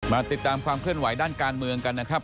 ติดตามความเคลื่อนไหวด้านการเมืองกันนะครับ